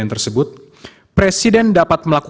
dan perubahan anggaran penduduk yang berada di dalam hal ini